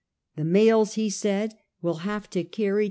'The mails,' he said, 'will have to carry 1837.